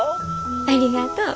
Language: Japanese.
ありがとう。